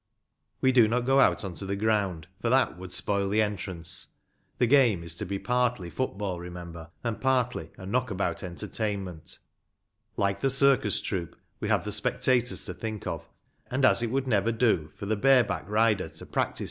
We do not go out on to the ground, for that would spoil the "entrance." The game is to be partly football, remember, and partly a knockabout entertainment. Like the circus troupe, we have the spectators to think of, and as it would never do for the bare back rider to practice A MODERN GAME OF RUGBY FOOTBALL.